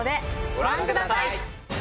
ご覧ください。